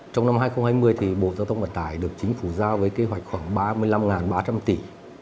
trong năm hai nghìn hai mươi bộ giao thông vận tải được chính phủ giao với kế hoạch khoảng ba mươi năm ba trăm linh tỷ